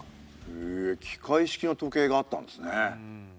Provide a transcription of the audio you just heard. へえ機械式の時計があったんですね。